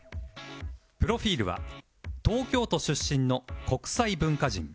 プロフィールは東京都出身の国際文化人